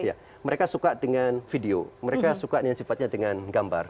ya mereka suka dengan video mereka suka yang sifatnya dengan gambar